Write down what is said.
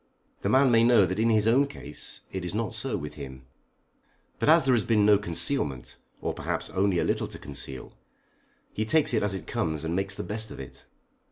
The man may know that in his own case it is not so with him. But as there has been no concealment, or perhaps only a little to conceal, he takes it as it comes and makes the best of it.